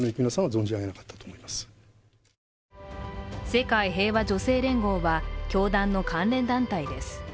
世界平和女性連合は教団の関連団体です。